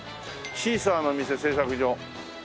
「シーサーの店製作所」